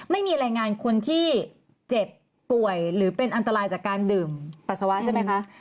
ไม่มีรายงานคนที่เจ็บป่วยหรือเป็นอันตรายจากการดื่มปัสสาวะใช่ไหมคะ